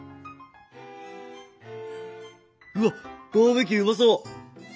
うわっバーベキューうまそう！